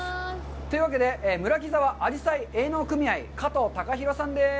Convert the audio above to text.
というわけで、村木沢あじさい営農組合、加藤隆洋さんです。